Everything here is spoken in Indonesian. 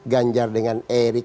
ganjar dengan erik